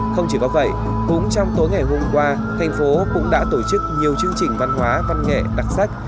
không chỉ có vậy cũng trong tối ngày hôm qua thành phố cũng đã tổ chức nhiều chương trình văn hóa văn nghệ đặc sắc